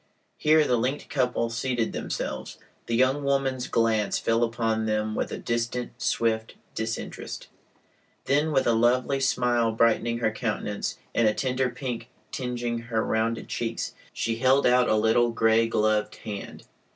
Here the linked couple seated themselves. The young woman's glance fell upon them with a distant, swift disinterest; then with a lovely smile brightening her countenance and a tender pink tingeing her rounded cheeks, she held out a little gray gloved hand.